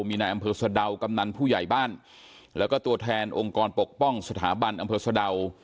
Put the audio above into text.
มีนายอำเภอสะดาวกำนันผู้ใหญ่บ้านแล้วก็ตัวแทนองค์กรปกป้องสถาบันอำเภอสะดาว